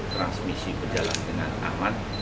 transmisi berjalan dengan aman